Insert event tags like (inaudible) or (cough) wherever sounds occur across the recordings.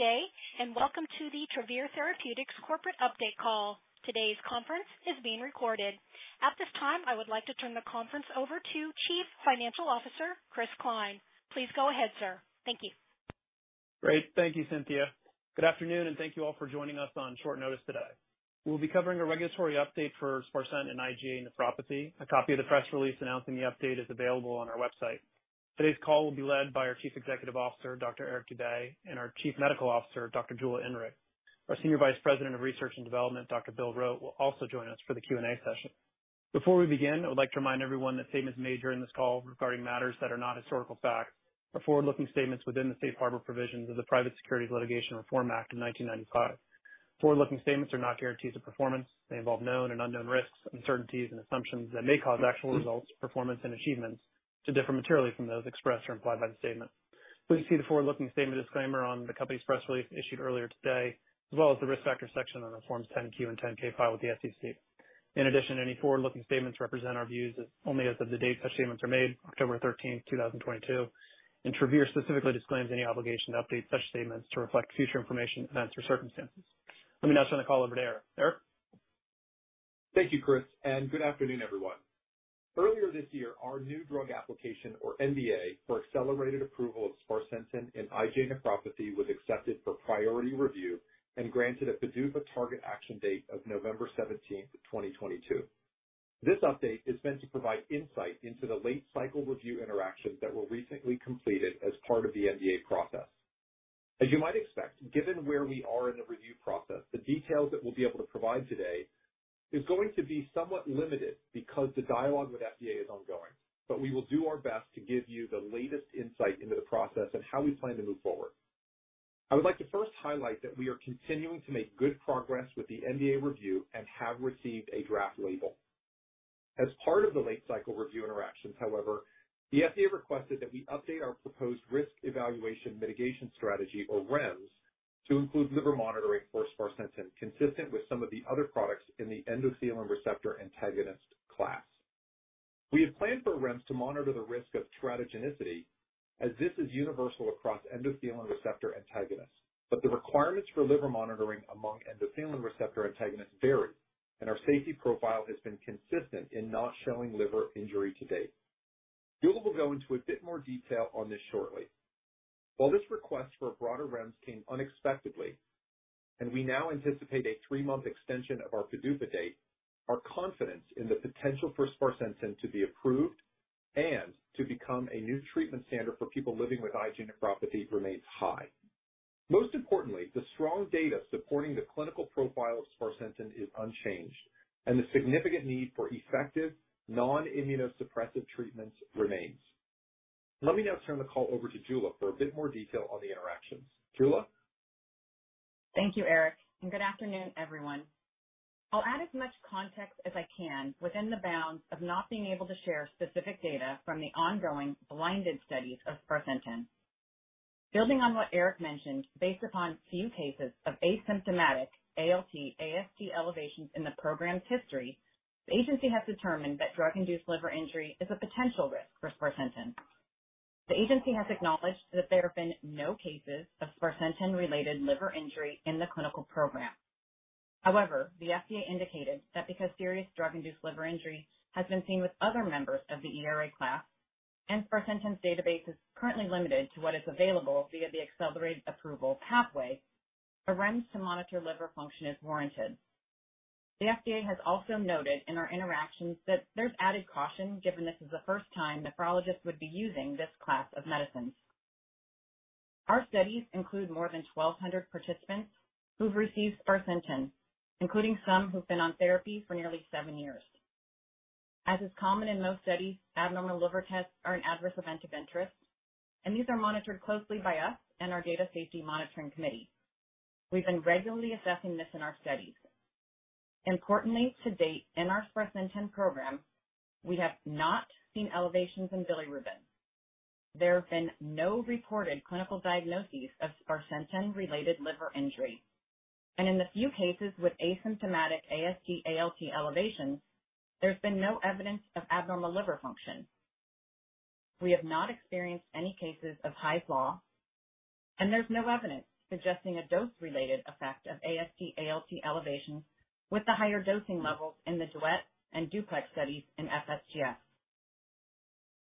Good day, and welcome to the Travere Therapeutics Corporate Update Call. Today's conference is being recorded. At this time, I would like to turn the conference over to Chief Financial Officer, Chris Cline. Please go ahead, sir. Thank you. Great. Thank you, Cynthia. Good afternoon, and thank you all for joining us on short notice today. We'll be covering a regulatory update for sparsentan and IgA nephropathy. A copy of the press release announcing the update is available on our website. Today's call will be led by our Chief Executive Officer, Dr. Eric Dube, and our Chief Medical Officer, Dr. Jula Inrig. Our Senior Vice President of Research and Development, Dr. William Rote, will also join us for the Q&A session. Before we begin, I would like to remind everyone that statements made during this call regarding matters that are not historical facts are forward-looking statements within the Safe Harbor provisions of the Private Securities Litigation Reform Act of 1995. Forward-looking statements are not guarantees of performance. They involve known and unknown risks, uncertainties, and assumptions that may cause actual results, performance, and achievements to differ materially from those expressed or implied by the statement. Please see the forward-looking statement disclaimer on the company's press release issued earlier today, as well as the Risk Factors section on our forms 10Q and 10K filed with the SEC. In addition, any forward-looking statements represent our views only as of the date such statements are made, October 13, 2022, and Travere specifically disclaims any obligation to update such statements to reflect future information, events, or circumstances. Let me now turn the call over to Eric. Eric? Thank you, Chris, and good afternoon, everyone. Earlier this year, our new drug application, or NDA, for accelerated approval of sparsentan in IgA nephropathy was accepted for priority review and granted a PDUFA target action date of November 17, 2022. This update is meant to provide insight into the late-cycle review interactions that were recently completed as part of the NDA process. As you might expect, given where we are in the review process, the details that we'll be able to provide today is going to be somewhat limited because the dialogue with FDA is ongoing. We will do our best to give you the latest insight into the process and how we plan to move forward. I would like to first highlight that we are continuing to make good progress with the NDA review and have received a draft label. As part of the late-cycle review interactions, however, the FDA requested that we update our proposed Risk Evaluation Mitigation Strategy, or REMS, to include liver monitoring for sparsentan, consistent with some of the other products in the endothelin receptor antagonist class. We have planned for REMS to monitor the risk of teratogenicity as this is universal across endothelin receptor antagonists, but the requirements for liver monitoring among endothelin receptor antagonists vary, and our safety profile has been consistent in not showing liver injury to date. Jula will go into a bit more detail on this shortly. While this request for a broader REMS came unexpectedly, and we now anticipate a three-month extension of our PDUFA date, our confidence in the potential for sparsentan to be approved and to become a new treatment standard for people living with IgA nephropathy remains high. Most importantly, the strong data supporting the clinical profile of sparsentan is unchanged, and the significant need for effective non-immunosuppressive treatments remains. Let me now turn the call over to Jula for a bit more detail on the interactions. Jula? Thank you, Eric, and good afternoon, everyone. I'll add as much context as I can within the bounds of not being able to share specific data from the ongoing blinded studies of sparsentan. Building on what Eric mentioned, based upon few cases of asymptomatic ALT, AST elevations in the program's history, the agency has determined that drug-induced liver injury is a potential risk for sparsentan. The agency has acknowledged that there have been no cases of sparsentan-related liver injury in the clinical program. However, the FDA indicated that because serious drug-induced liver injury has been seen with other members of the ERA class and sparsentan's database is currently limited to what is available via the accelerated approval pathway, a REMS to monitor liver function is warranted. The FDA has also noted in our interactions that there's added caution given this is the first time nephrologists would be using this class of medicines. Our studies include more than 1,200 participants who've received sparsentan, including some who've been on therapy for nearly seven years. As is common in most studies, abnormal liver tests are an adverse event of interest, and these are monitored closely by us and our Data Safety Monitoring Committee. We've been regularly assessing this in our studies. Importantly, to date, in our sparsentan program, we have not seen elevations in bilirubin. There have been no reported clinical diagnoses of sparsentan-related liver injury. In the few cases with asymptomatic AST, ALT elevations, there's been no evidence of abnormal liver function. We have not experienced any cases of Hy's Law, and there's no evidence suggesting a dose-related effect of AST, ALT elevations with the higher dosing levels in the DUET and DUPLEX studies in FSGS.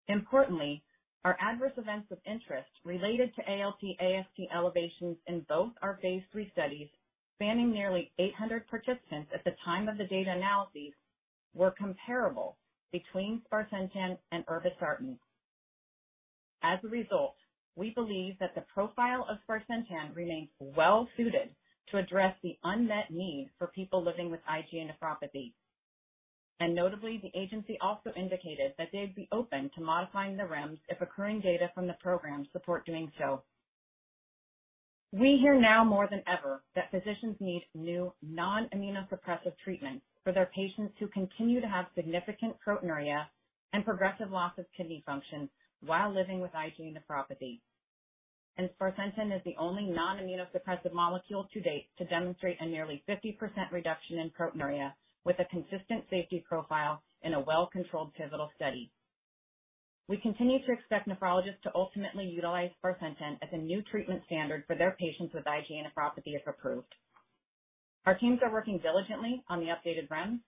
Importantly, our adverse events of interest related to ALT, AST elevations in both our phase III studies, spanning nearly 800 participants at the time of the data analyses, were comparable between sparsentan and irbesartan. As a result, we believe that the profile of sparsentan remains well suited to address the unmet need for people living with IgA nephropathy. And notably, the agency also indicated that they'd be open to modifying the REMS if occurring data from the program support doing so. We hear now more than ever that physicians need new non-immunosuppressive treatment for their patients who continue to have significant proteinuria and progressive loss of kidney function while living with IgA nephropathy. And sparsentan is the only non-immunosuppressive molecule to date to demonstrate a nearly 50% reduction in proteinuria with a consistent safety profile in a well-controlled pivotal study. We continue to expect nephrologists to ultimately utilize sparsentan as a new treatment standard for their patients with IgA nephropathy, if approved. Our teams are working diligently on the updated REMS,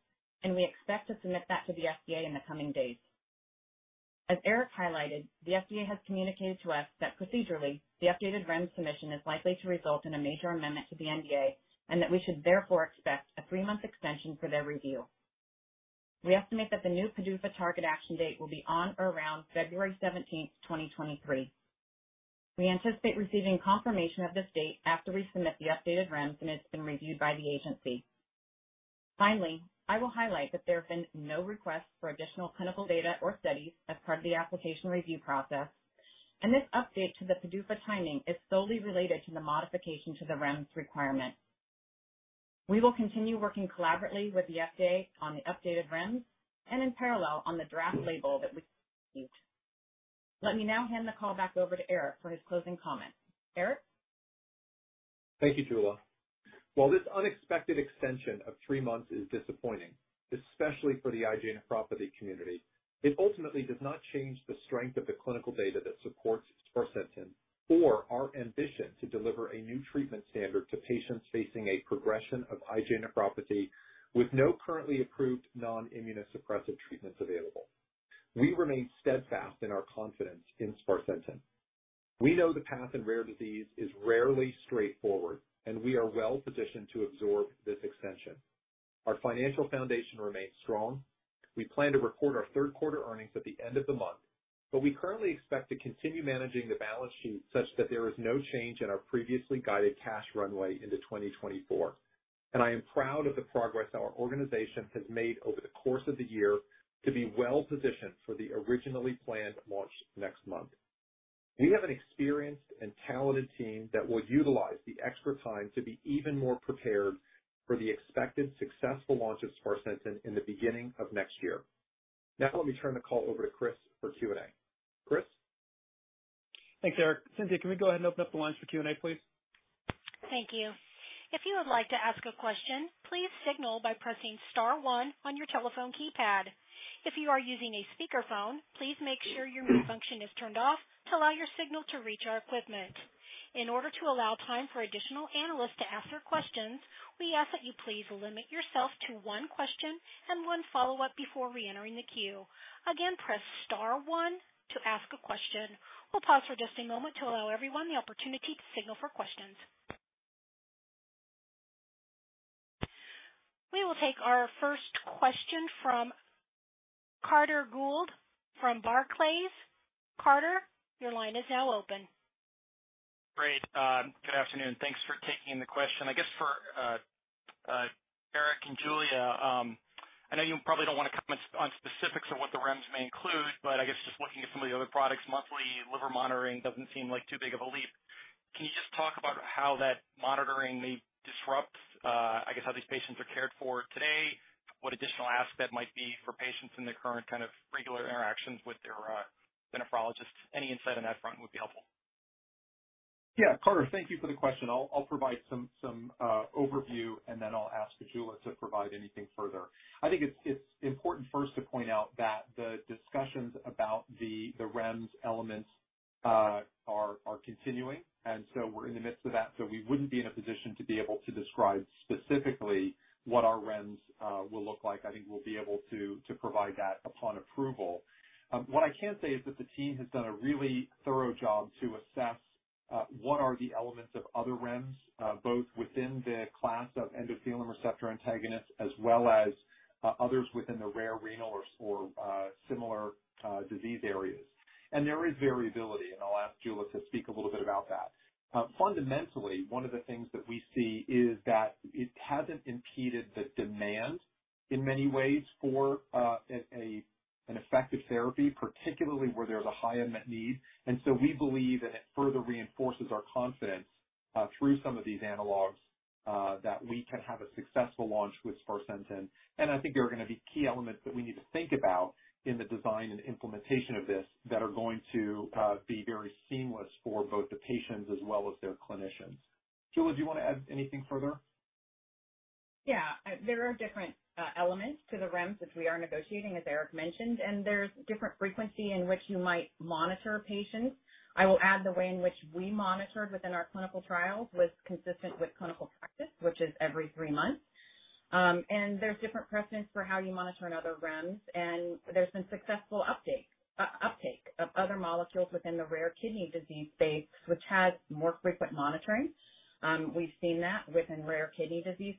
and we expect to submit that to the FDA in the coming days. As Eric highlighted, the FDA has communicated to us that procedurally, the updated REMS submission is likely to result in a major amendment to the NDA and that we should therefore expect a three month extension for their review. We estimate that the new PDUFA target action date will be on or around February 17, 2023. We anticipate receiving confirmation of this date after we submit the updated REMS, and it's been reviewed by the agency. Finally, I will highlight that there have been no requests for additional clinical data or studies as part of the application review process, and this update to the PDUFA timing is solely related to the modification to the REMS requirement. We will continue working collaboratively with the FDA on the updated REMS and in parallel on the draft label that we seek. Let me now hand the call back over to Eric for his closing comments. Eric? Thank you, Jula. While this unexpected extension of three months is disappointing, especially for the IgA nephropathy community, it ultimately does not change the strength of the clinical data that supports sparsentan or our ambition to deliver a new treatment standard to patients facing a progression of IgA nephropathy with no currently approved non-immunosuppressive treatments available. We remain steadfast in our confidence in sparsentan. We know the path in rare disease is rarely straightforward, and we are well positioned to absorb this extension. Our financial foundation remains strong. We plan to report our third quarter earnings at the end of the month, but we currently expect to continue managing the balance sheet such that there is no change in our previously guided cash runway into 2024. And I'm proud of the progress our organization has made over the course of the year to be well-positioned for the originally planned launch next month. And we have an experienced and talented team that will utilize the extra time to be even more prepared for the expected successful launch of sparsentan in the beginning of next year. Now let me turn the call over to Chris for Q&A. Chris? Thanks, Eric. Cynthia, can we go ahead and open up the lines for Q&A, please? Thank you. If you would like to ask a question, please signal by pressing star one on your telephone keypad. If you are using a speakerphone, please make sure your mute function is turned off to allow your signal to reach our equipment. In order to allow time for additional analysts to ask their questions, we ask that you please limit yourself to one question and one follow-up before reentering the queue. Again, press star one to ask a question. We'll pause for just a moment to allow everyone the opportunity to signal for questions. We will take our first question from Carter Gould from Barclays. Carter, your line is now open. Great. Good afternoon. Thanks for taking the question. I guess for Eric and Jula, I know you probably don't want to comment on specifics of what the REMS may include, but I guess just looking at some of the other products, monthly liver monitoring doesn't seem like too big of a leap. Can you just talk about how that monitoring may disrupt, I guess, how these patients are cared for today, what additional ask that might be for patients in their current kind of regular interactions with their nephrologists? Any insight on that front would be helpful. Yeah. Carter, thank you for the question. I'll provide some overview, and then I'll ask Jula to provide anything further. I think it's important first to point out that the discussions about the REMS elements are continuing, and so we're in the midst of that, so we wouldn't be in a position to be able to describe specifically what our REMS will look like. I think we'll be able to provide that upon approval. What I can say is that the team has done a really thorough job to assess what are the elements of other REMS both within the class of endothelin receptor antagonists as well as others within the rare renal or similar disease areas. There is variability, and I'll ask Jula to speak a little bit about that. Fundamentally, one of the things that we see is that it hasn't impeded the demand in many ways for an effective therapy, particularly where there's a high unmet need. We believe, and it further reinforces our confidence, through some of these analogs, that we can have a successful launch with sparsentan. I think there are gonna be key elements that we need to think about in the design and implementation of this that are going to be very seamless for both the patients as well as their clinicians. Jula, do you wanna add anything further? Yeah. There are different elements to the REMS which we are negotiating, as Eric mentioned, and there's different frequency in which you might monitor patients. I will add the way in which we monitored within our clinical trials was consistent with clinical practice, which is every three months. And there's different preferences for how you monitor in other REMS, and there's been successful uptake of other molecules within the rare kidney disease space, which has more frequent monitoring. We've seen that within rare kidney disease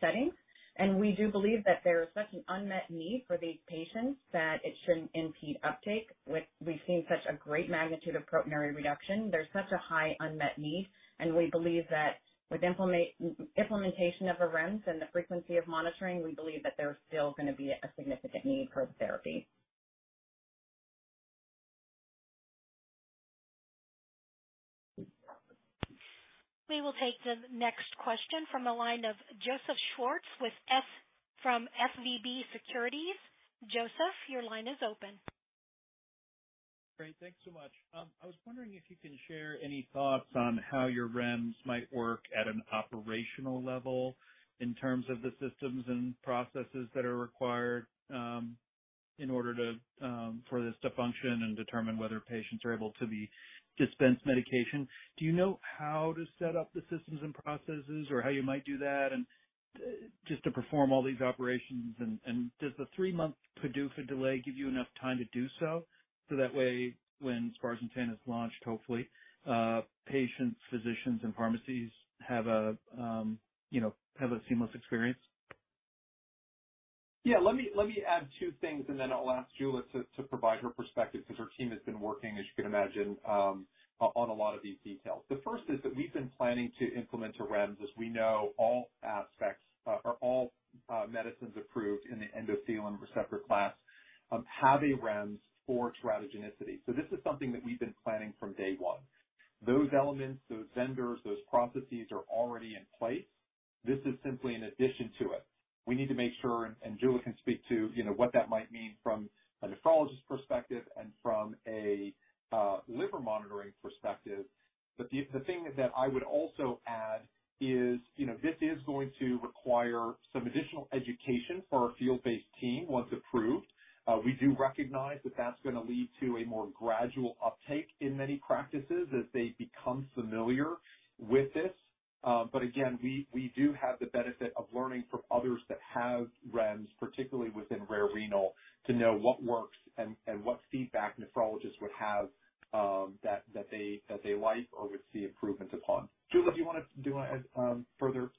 settings. And we do believe that there is such an unmet need for these patients that it shouldn't impede uptake. We've seen such a great magnitude of proteinuria reduction. There's such a high unmet need, and we believe that with implementation of the REMS and the frequency of monitoring, we believe that there's still gonna be a significant need for the therapy. We will take the next question from the line of Joseph Schwartz with SVB Securities. Joseph, your line is open. Great. Thanks so much. I was wondering if you can share any thoughts on how your REMS might work at an operational level in terms of the systems and processes that are required for this to function and determine whether patients are able to be dispensed medication. Do you know how to set up the systems and processes or how you might do that and just to perform all these operations? And does the three-month PDUFA delay give you enough time to do so that way when sparsentan is launched, hopefully patients, physicians and pharmacies have a, you know, seamless experience? Yeah. Let me add two things, and then I'll ask Jula to provide her perspective because her team has been working, as you can imagine, on a lot of these details. The first is that we've been planning to implement a REMS, as we know all ERAs, or all medicines approved in the endothelin receptor class, have a REMS for teratogenicity. This is something that we've been planning from day one. Those elements, those vendors, those processes are already in place. This is simply an addition to it. We need to make sure, and Jula can speak to, you know, what that might mean from a nephrologist perspective and from a liver monitoring perspective. The thing that I would also add is, you know, this is going to require some additional education for our field-based team once approved. We do recognize that that's gonna lead to a more gradual uptake in many practices as they become familiar with this. But again, we do have the benefit of learning from others that have REMS, particularly within rare renal, to know what works and what feedback nephrologists would have, that they like or would see improvements upon. Jula, do you wanna do further?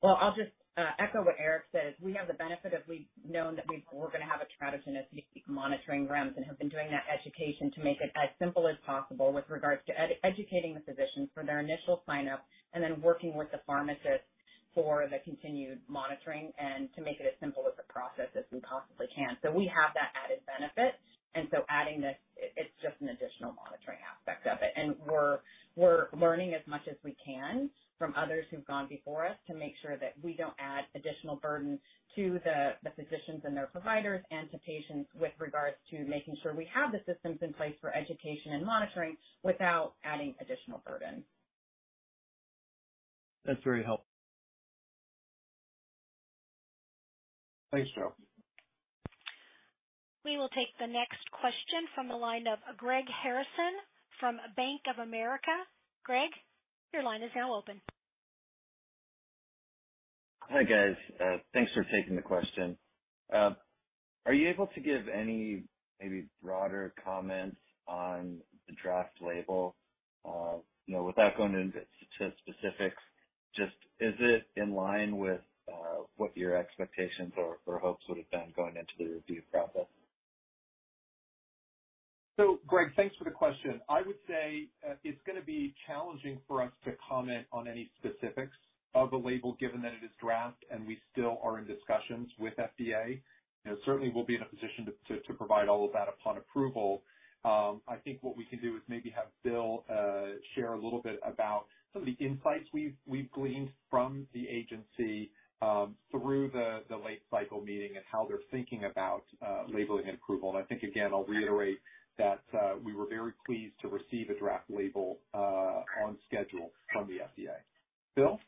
Well, I'll just echo what Eric said. We have the benefit of we've known that we're gonna have a teratogenicity monitoring REMS and have been doing that education to make it as simple as possible with regards to educating the physicians for their initial sign-up and then working with the pharmacists for the continued monitoring and to make it as simple a process as we possibly can. We have that added benefit, and so adding this, it's just an additional monitoring aspect of it. And we're learning as much as we can from others who've gone before us to make sure that we don't add additional burden to the physicians and their providers and to patients with regards to making sure we have the systems in place for education and monitoring without adding additional burden. That's very helpful. Thanks, Jula. We will take the next question from the line of Greg Harrison from Bank of America. Greg, your line is now open. Hi, guys. Thanks for taking the question. Are you able to give any maybe broader comments on the draft label? You know, without going into specifics, just is it in line with what your expectations or hopes would have been going into the review process? Greg, thanks for the question. I would say it's gonna be challenging for us to comment on any specifics of the label given that it is draft and we still are in discussions with FDA. You know, certainly we'll be in a position to provide all of that upon approval. I think what we can do is maybe have Will share a little bit about some of the insights we've gleaned from the agency through the late cycle meeting and how they're thinking about labeling and approval. I think, again, I'll reiterate that we were very pleased to receive a draft label on schedule from the FDA. Will?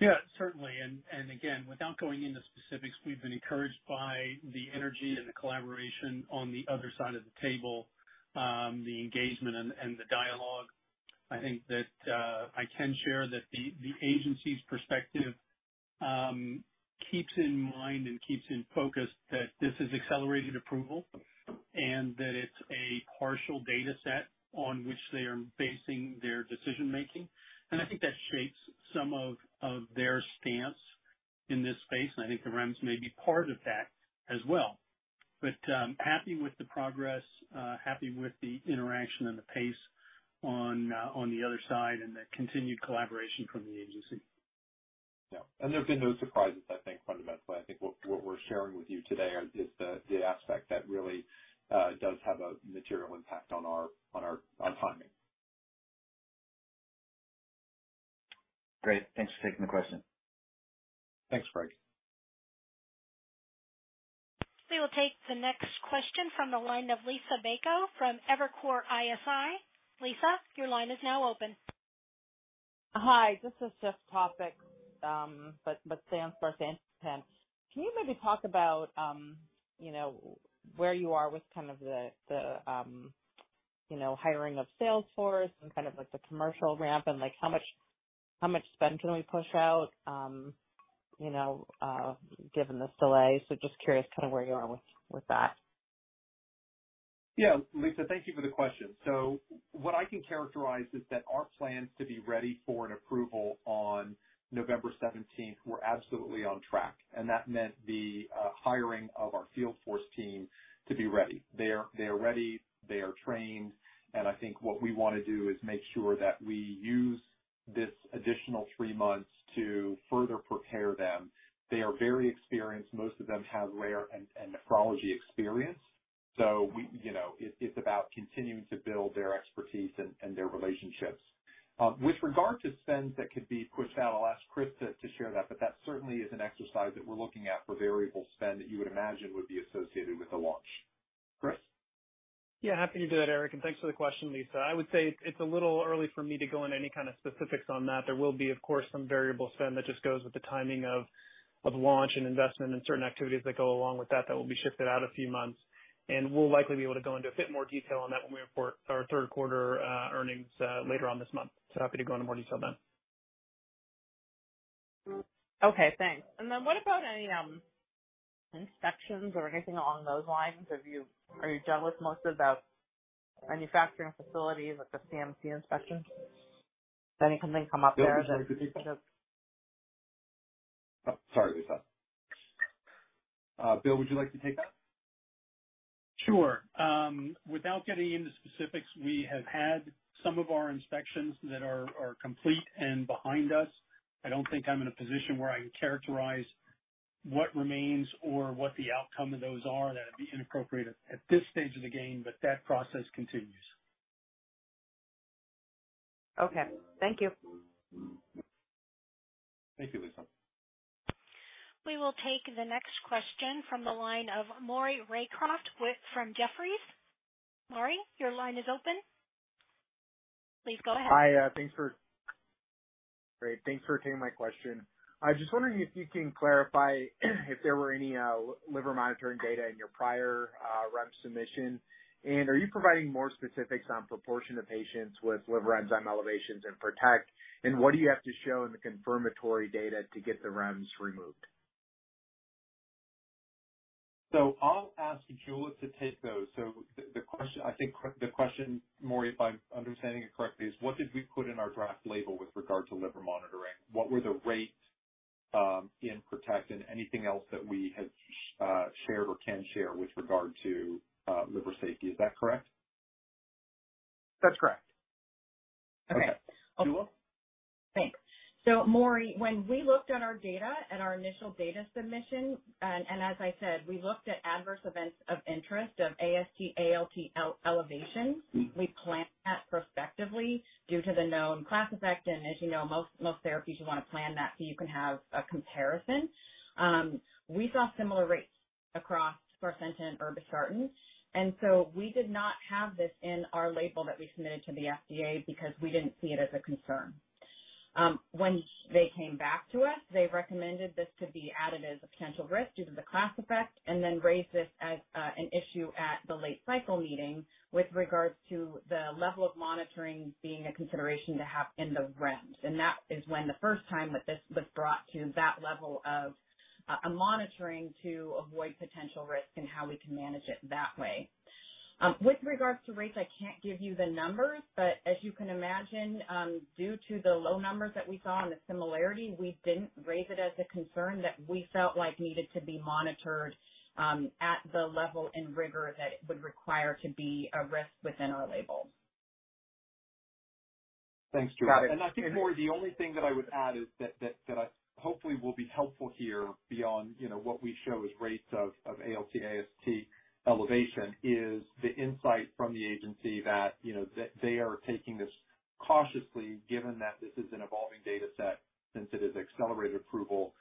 Yeah, certainly. Again, without going into specifics, we've been encouraged by the energy and the collaboration on the other side of the table, the engagement and the dialogue. I think that I can share that the agency's perspective keeps in mind and keeps in focus that this is accelerated approval and that it's a partial dataset on which they are basing their decision-making. I think that shapes some of their stance in this space, and I think the REMS may be part of that as well. Happy with the progress, happy with the interaction and the pace on the other side and the continued collaboration from the agency. Yeah. There've been no surprises, I think, fundamentally. I think what we're sharing with you today is the aspect that really does have a material impact on our timing. Great. Thanks for taking the question. Thanks, Greg. We will take the next question from the line of Liisa Bayko from Evercore ISI. Liisa, your line is now open. Hi, this is just top pick sparsentan. Can you maybe talk about, you know, where you are with kind of the hiring of sales force and kind of like the commercial ramp and like how much spend can we push out, you know, given this delay? Just curious kind of where you are with that. Yeah. Liisa, thank you for the question. What I can characterize is that our plans to be ready for an approval on November 17th were absolutely on track, and that meant the hiring of our field force team to be ready. They are ready, they are trained, and I think what we wanna do is make sure that we use this additional three months to further prepare them. They are very experienced. Most of them have rare and nephrology experience. You know, it's about continuing to build their expertise and their relationships. With regard to spends that could be pushed out, I'll ask Chris to share that, but that certainly is an exercise that we're looking at for variable spend that you would imagine would be associated with the launch. Chris? Yeah. Happy to do that, Eric, and thanks for the question, Liisa. I would say it's a little early for me to go into any kind of specifics on that. There will be, of course, some variable spend that just goes with the timing of launch and investment in certain activities that go along with that will be shifted out a few months. And e'll likely be able to go into a bit more detail on that when we report our third quarter earnings later on this month. Happy to go into more detail then. Okay, thanks. What about any inspections or anything along those lines? Are you done with most of the manufacturing facilities with the CMC inspections? Has anything come up there that you can (crosstalk) Oh, sorry, Liisa. William, would you like to take that? Sure. Without getting into specifics, we have had some of our inspections that are complete and behind us. I don't think I'm in a position where I can characterize what remains or what the outcome of those are. That'd be inappropriate at this stage of the game, but that process continues. Okay. Thank you. Thank you, Liisa. We will take the next question from the line of Maury Raycroft with Jefferies. Maury, your line is open. Please go ahead. Hi. Great. Thanks for taking my question. I was just wondering if you can clarify if there were any liver monitoring data in your prior REMS submission. And are you providing more specifics on proportion of patients with liver enzyme elevations in PROTECT? And what do you have to show in the confirmatory data to get the REMS removed? I'll ask Jula to take those. The question, I think, Maury, if I'm understanding it correctly, is what did we put in our draft label with regard to liver monitoring? What were the rates in PROTECT and anything else that we had shared or can share with regard to liver safety. Is that correct? That's correct. Okay. Okay. Jula? Thanks. Maury, when we looked at our data at our initial data submission, as I said, we looked at adverse events of interest, of AST, ALT elevation. We planned that prospectively due to the known class effect, and as you know, most therapies you want to plan that so you can have a comparison. We saw similar rates across sparsentan and irbesartan, and we did not have this in our label that we submitted to the FDA because we didn't see it as a concern. When they came back to us, they recommended this to be added as a potential risk due to the class effect and then raised this as an issue at the late cycle meeting with regards to the level of monitoring being a consideration to have in the REMS. That is when the first time that this was brought to that level of a monitoring to avoid potential risk and how we can manage it that way. With regards to rates, I can't give you the numbers, but as you can imagine, due to the low numbers that we saw and the similarity, we didn't raise it as a concern that we felt like needed to be monitored, at the level and rigor that it would require to be a risk within our label. Thanks, Jula. I think, Maury, the only thing that I would add is that hopefully will be helpful here beyond, you know, what we show as rates of ALT, AST elevation is the insight from the agency that, you know, they are taking this cautiously given that this is an evolving data set since it is accelerated approval,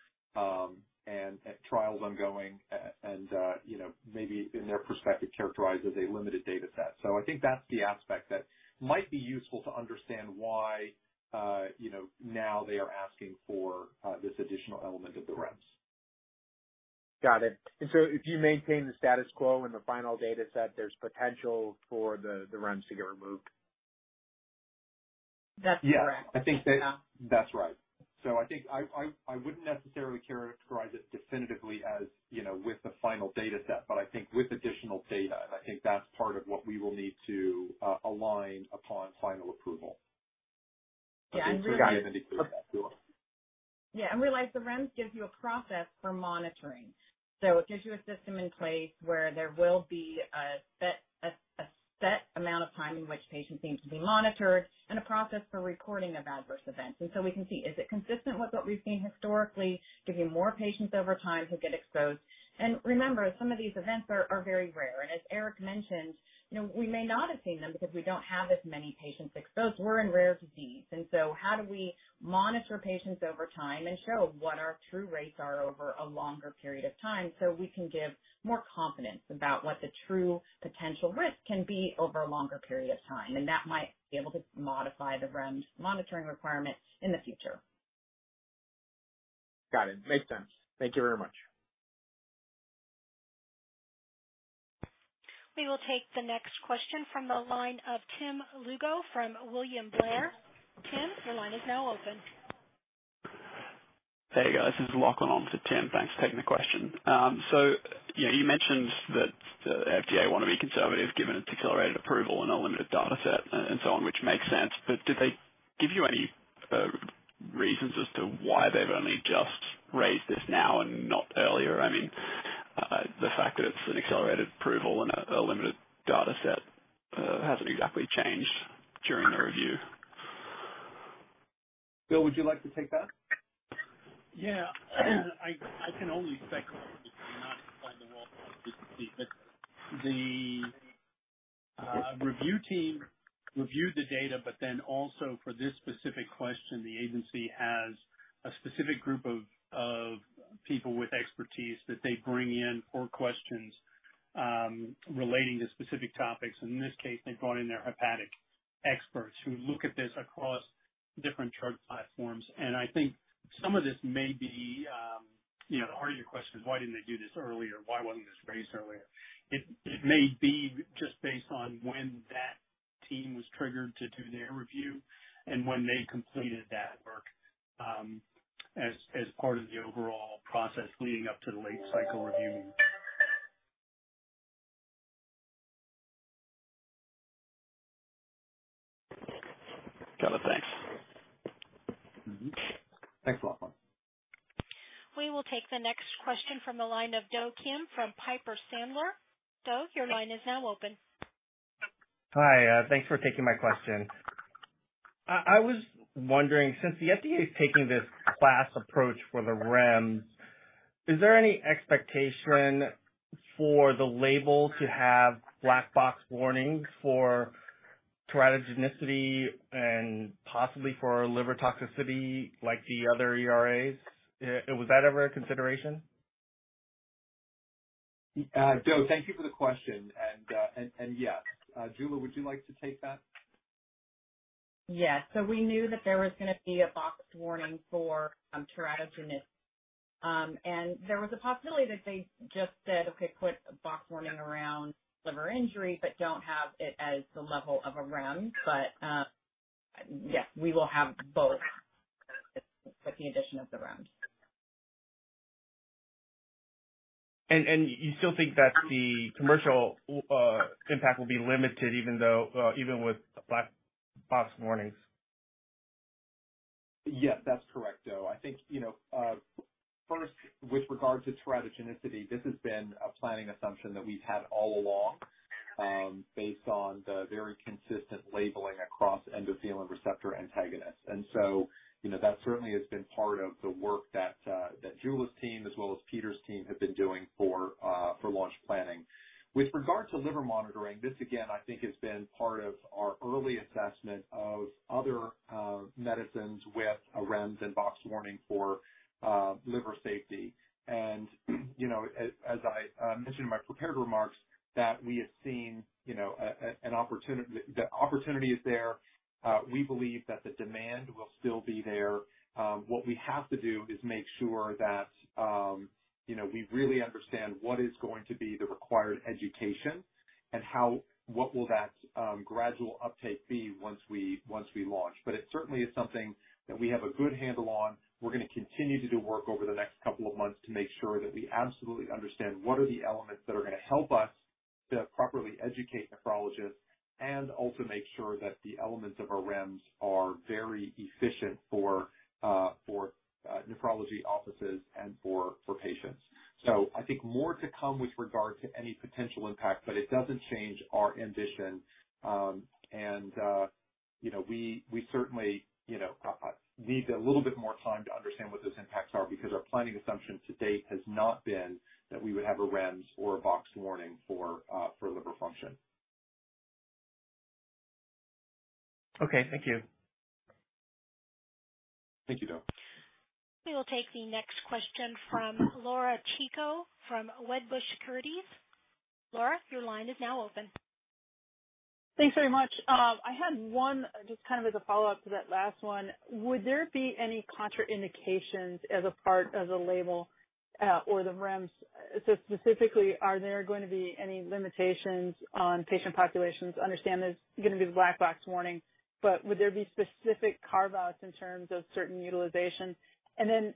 and trials ongoing and, you know, maybe in their perspective, characterized as a limited data set. I think that's the aspect that might be useful to understand why, you know, now they are asking for this additional element of the REMS. Got it. If you maintain the status quo in the final data set, there's potential for the REMS to get removed. That's correct. Yeah. I think that's right. I wouldn't necessarily characterize it definitively as, you know, with the final data set, but I think with additional data, and I think that's part of what we will need to align upon final approval. Yeah. Got it. Cool. Yeah. Realize the REMS gives you a process for monitoring. It gives you a system in place where there will be a set amount of time in which patients need to be monitored and a process for recording of adverse events. We can see, is it consistent with what we've seen historically, giving more patients over time who get exposed? Remember, some of these events are very rare. As Eric mentioned, you know, we may not have seen them because we don't have as many patients exposed. We're in rare disease. How do we monitor patients over time and show what our true rates are over a longer period of time so we can give more confidence about what the true potential risk can be over a longer period of time? That might be able to modify the REMS monitoring requirements in the future. Got it. Makes sense. Thank you very much. We will take the next question from the line of Tim Lugo from William Blair. Tim, your line is now open. Hey, guys. This is Lachlan on for Tim. Thanks for taking the question. So you know, you mentioned that the FDA want to be conservative given its accelerated approval and a limited data set and so on, which makes sense. But did they give you any reasons as to why they've only just raised this now and not earlier? I mean, the fact that it's an accelerated approval and a limited data set hasn't exactly changed during the review. Bill, would you like to take that? Yeah. I can only speculate. The review team reviewed the data, but then also for this specific question, the agency has a specific group of people with expertise that they bring in for questions relating to specific topics. In this case, they brought in their hepatic experts who look at this across different drug platforms. I think some of this may be, you know, the heart of your question is why didn't they do this earlier? Why wasn't this raised earlier? It may be just based on when that team was triggered to do their review and when they completed that work as part of the overall process leading up to the late cycle review. Got it. Thanks. Mm-hmm. Thanks a lot, Eric. We will take the next question from the line of Do Kim from Piper Sandler. Do, your line is now open. Hi. Thanks for taking my question. I was wondering, since the FDA is taking this class approach for the REMS, is there any expectation for the label to have black box warnings for teratogenicity and possibly for liver toxicity like the other ERAs? Was that ever a consideration? Do, thank you for the question. Yes. Jula, would you like to take that? Yes. We knew that there was gonna be a box warning for teratogenicity. There was a possibility that they just said, "Okay, put a box warning around liver injury, but don't have it as the level of a REMS," yes, we will have both, with the addition of the REMS. And you still think that the commercial impact will be limited even with black box warnings? Yes, that's correct, Do. I think, you know, first, with regard to teratogenicity, this has been a planning assumption that we've had all along, based on the very consistent labeling across endothelin receptor antagonist. And so you know, that certainly has been part of the work that Jula's team as well as Peter's team have been doing for launch planning. With regard to liver monitoring, this again I think has been part of our early assessment of other medicines with a REMS and box warning for liver safety. You know, as I mentioned in my prepared remarks that we have seen an opportunity. The opportunity is there. We believe that the demand will still be there. What we have to do is make sure that, you know, we really understand what is going to be the required education and what will that gradual uptake be once we launch. It certainly is something that we have a good handle on. We're gonna continue to do work over the next couple of months to make sure that we absolutely understand what are the elements that are gonna help us to properly educate nephrologists and also make sure that the elements of our REMS are very efficient for nephrology offices and for patients. I think more to come with regard to any potential impact, but it doesn't change our ambition. You know, we certainly, you know, need a little bit more time to understand what those impacts are because our planning assumption to date has not been that we would have a REMS or a box warning for liver function. Okay. Thank you. Thank you, Do. We will take the next question from Laura Chico from Wedbush Securities. Laura, your line is now open. Thanks very much. I had one just kind of as a follow-up to that last one. Would there be any contraindications as a part of the label, or the REMS? So specifically, are there going to be any limitations on patient populations? Understand there's gonna be the black box warning, but would there be specific carve-outs in terms of certain utilization? And then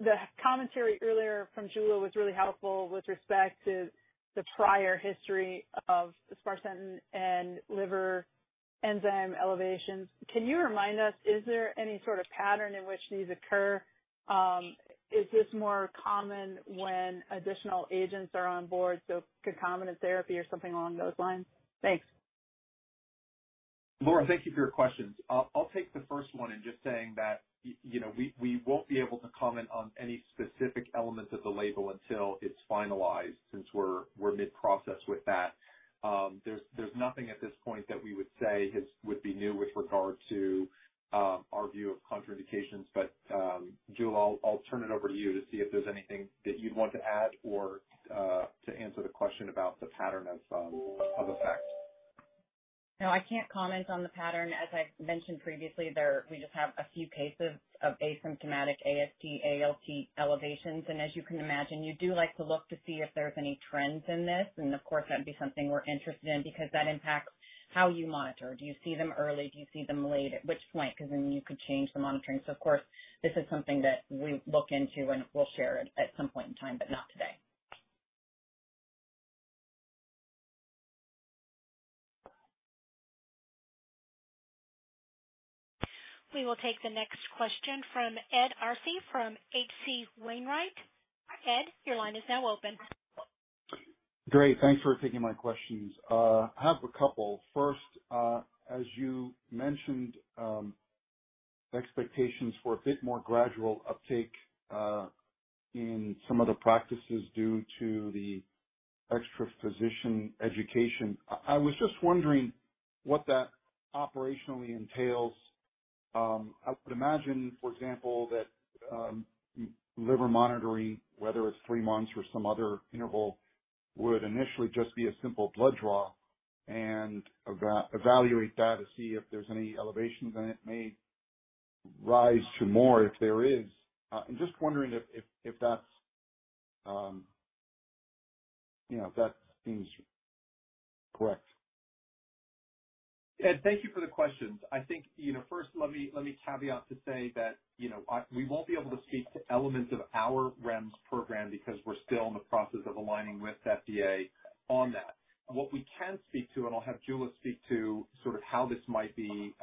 the commentary earlier from Jula was really helpful with respect to the prior history of sparsentan and liver enzyme elevations. Can you remind us, is there any sort of pattern in which these occur? Is this more common when additional agents are on board, so concomitant therapy or something along those lines? Thanks. Laura, thank you for your questions. I'll take the first one in just saying that, you know, we won't be able to comment on any specific elements of the label until it's finalized since we're mid-process with that. There's nothing at this point that we would say would be new with regard to our view of contraindications. But, Jula, I'll turn it over to you to see if there's anything that you'd want to add or to answer the question about the pattern of effects. No, I can't comment on the pattern. As I've mentioned previously, there, we just have a few cases of asymptomatic AST, ALT elevations, and as you can imagine, you do like to look to see if there's any trends in this. Of course, that'd be something we're interested in because that impacts how you monitor. Do you see them early? Do you see them late? At which point? Because then you could change the monitoring. Of course, this is something that we look into, and we'll share it at some point in time, but not today. We will take the next question from Ed Arce from H.C. Wainwright & Co. Ed, your line is now open. Great. Thanks for taking my questions. I have a couple. First, as you mentioned, expectations for a bit more gradual uptake in some of the practices due to the extra physician education. I was just wondering what that operationally entails. I would imagine, for example, that liver monitoring, whether it's three months or some other interval, would initially just be a simple blood draw and evaluate that to see if there's any elevations, and it may rise to more if there is. I'm just wondering if that's, you know, if that seems correct. Ed, thank you for the questions. I think, you know, first, let me caveat to say that, you know, we won't be able to speak to elements of our REMS program because we're still in the process of aligning with FDA on that. What we can speak to, and I'll have Jula speak to sort of how this might be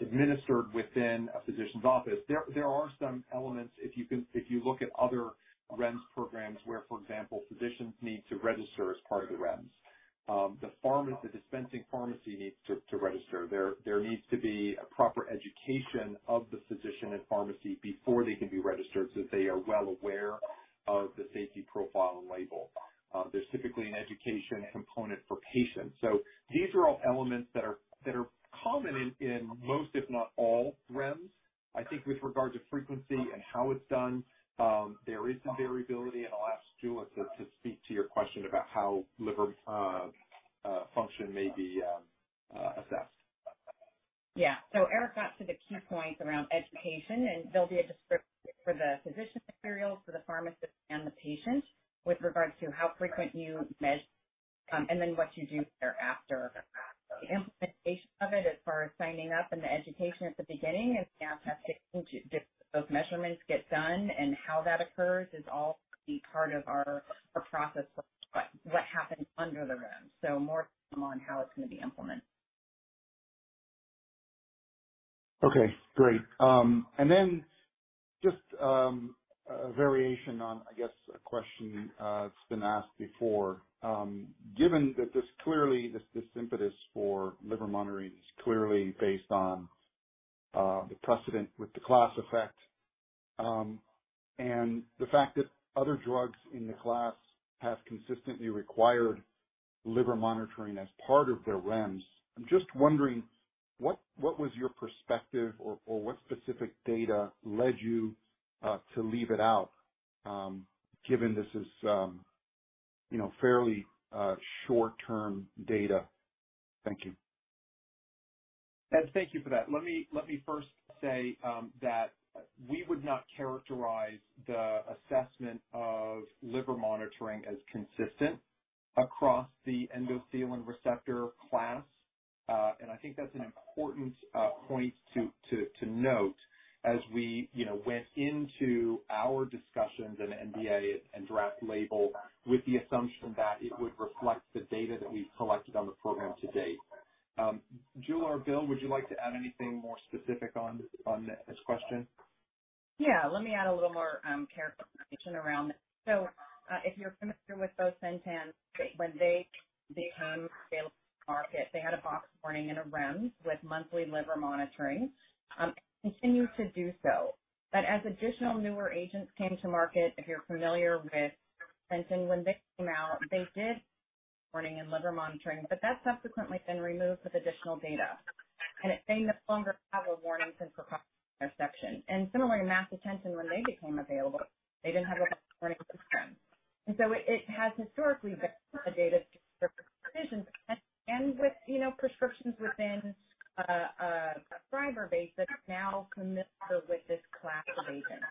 administered within a physician's office. There are some elements, if you look at other REMS programs where, for example, physicians need to register as part of the REMS. The pharma, the dispensing pharmacy needs to register. There needs to be a proper education of the physician and pharmacy before they can be registered, so that they are well aware of the safety profile and label. There's typically an education component for patients. So these are all elements that are common in most, if not all, REMS. I think with regard to frequency and how it's done, there is some variability, and I'll ask Jula to speak to your question about how liver function may be assessed. Yeah. Eric Dube got to the key points around education, and there'll be a description for the physician materials, for the pharmacist, and the patient with regards to how frequent you measure, and then what you do thereafter, in fact. The implementation of it as far as signing up and the education at the beginning, and how to get those measurements done and how that occurs will all be part of our process for what happens under the REMS. More on how it's gonna be implemented. Okay, great. Just a variation on, I guess, a question that's been asked before. Given that this clearly, this impetus for liver monitoring is clearly based on the precedent with the class effect, and the fact that other drugs in the class have consistently required liver monitoring as part of their REMS, I'm just wondering what was your perspective or what specific data led you to leave it out, given this is, you know, fairly short-term data? Thank you. Ed, thank you for that. Let me first say that we would not characterize the assessment of liver monitoring as consistent across the endothelin receptor class. I think that's an important point to note as we, you know, went into our discussions and NDA and draft label with the assumption that it would reflect the data that we've collected on the program to date. Jula or Bill, would you like to add anything more specific on this question? Yeah. Let me add a little more clarification around it. If you're familiar with those ERAs, when they became available to the market, they had a box warning and a REMS with monthly liver monitoring and continue to do so. As additional newer agents came to market, if you're familiar with ambrisentan, when this came out, they did warning and liver monitoring, but that's subsequently been removed with additional data. They no longer have a warning since the last section. Similarly, macitentan when they became available, they didn't have a box warning with REMS. It has historically been the data decisions and with, you know, prescriptions within a prescriber base that now commingle with this class of agent.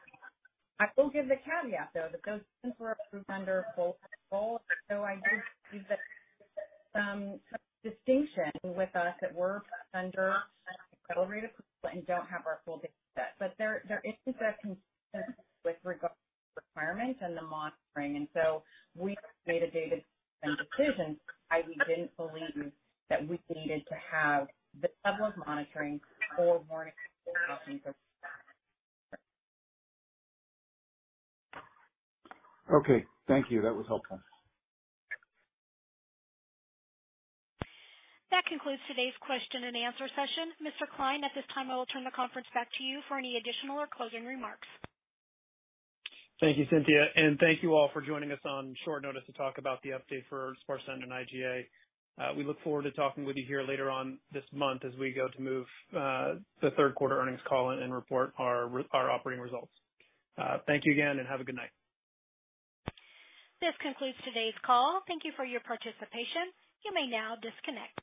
I will give the caveat, though, that those things were approved under full. I do see that some distinction with us that were under accelerated approval and don't have our full data set. There is a consistency with regards to requirements and the monitoring, and so we made a data-driven decision, i.e., didn't believe that we needed to have the level of monitoring or warning. Okay. Thank you. That was helpful. That concludes today's question and answer session. Mr. Cline, at this time, I will turn the conference back to you for any additional or closing remarks. Thank you, Cynthia. And thank you all for joining us on short notice to talk about the update for sparsentan and IgA. We look forward to talking with you here later on this month as we move to the third quarter earnings call and report our operating results. Thank you again, and have a good night. This concludes today's call. Thank you for your participation. You may now disconnect.